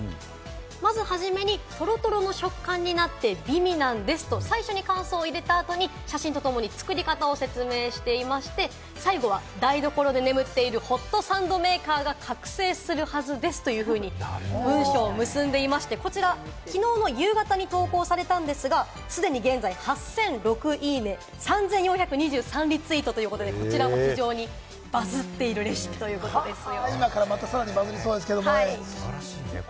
まず初めにトロトロの食感になって美味なんです。と最初に感想を入れた後に写真とともに作り方を説明していまして、最後は台所で眠っているホットサンドメーカーが覚醒するはずですというふうに文章を結んでいまして、こちらはきのうの夕方に投稿されたんですが、既に現在８００６いいね、３０００リツイートということで、こちらもバズっているレシピということですよ。